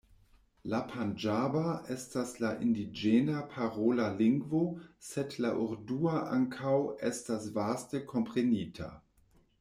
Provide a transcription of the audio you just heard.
La panĝaba estas la indiĝena parola lingvo, sed la urdua ankaŭ estas vaste komprenita.